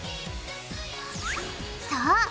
そう！